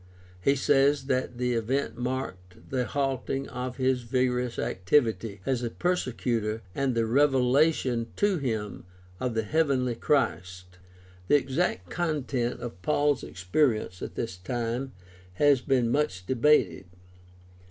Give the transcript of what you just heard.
He says that the event marked the halting of his vigorous activity as a persecutor and the revelation to him of the heavenly Christ. The exact content of Paul's experience at this time has been much debated.